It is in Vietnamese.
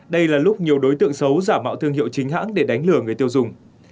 đây là lúc nhiều đối tượng xấu giả mạo thương hiệu chính hãng để đánh lừa người tiêu dùng